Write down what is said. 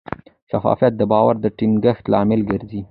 شفافیت د باور د ټینګښت لامل ګرځي.